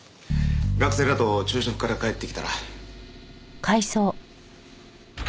学生らと昼食から帰ってきたら。